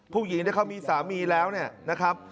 ผู้หญิงที่เขามีสามีแล้วเนี่ยนะครับ